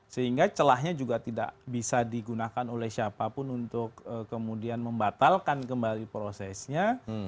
sehingga celahnya juga tidak bisa digunakan oleh siapapun untuk kemudian membatalkan kembali prosesnya